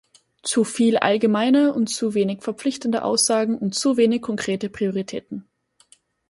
Zuviel allgemeine und zuwenig verpflichtende Aussagen und zuwenig konkrete Prioritäten.